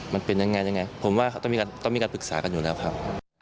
มันเป็นยังไงยังไงผมว่าต้องมีการปรึกษากันอยู่แล้วครับ